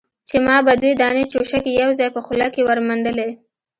چې ما به دوې دانې چوشکې يوځايي په خوله کښې ورمنډلې.